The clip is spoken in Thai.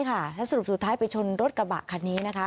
แล้วสรุปสุดท้ายไปชนรถกระบะคันนี้นะคะ